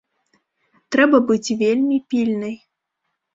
Трэба быць вельмі пільнай.